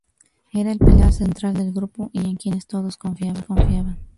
Era el pilar central del grupo y en quienes todos confiaban.